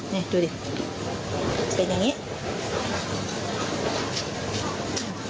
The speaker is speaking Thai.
นี่ดูดิเป็นอย่างนี้